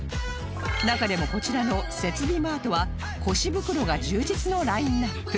中でもこちらの設備マートは腰袋が充実のラインアップ